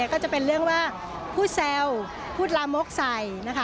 ก็จะเป็นเรื่องว่าผู้แซวผู้ลามโมกใส